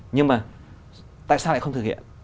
nhưng mà tại sao lại không thực hiện